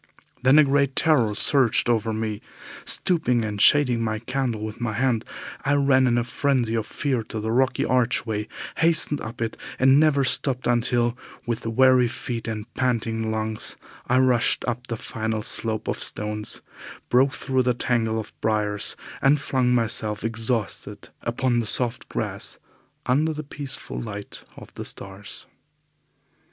Then a great terror surged over me. Stooping and shading my candle with my hand, I ran in a frenzy of fear to the rocky archway, hastened up it, and never stopped until, with weary feet and panting lungs, I rushed up the final slope of stones, broke through the tangle of briars, and flung myself exhausted upon the soft grass under the peaceful light of the stars.